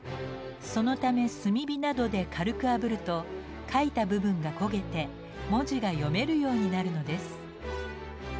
そのため炭火などで軽くあぶると書いた部分が焦げて文字が読めるようになるのです。